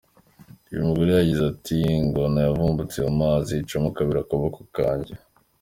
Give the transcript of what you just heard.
Uyu mugore yagize ati “ Ingona yavumbutse mu mazi icamo kabiri akaboko kanjye.